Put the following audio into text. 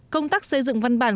công tác xây dựng văn bản